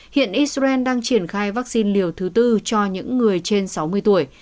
hiện israel đang triển khai vaccine liều thứ tư cho những người trên sáu mươi tuổi